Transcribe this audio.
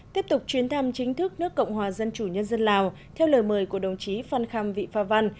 tiếp tục chuyến thăm chính thức nước cộng hòa dân chủ nhân dân lào theo lời mời của đồng chí phan kham vị pha văn